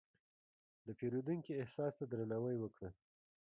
د پیرودونکي احساس ته درناوی وکړه.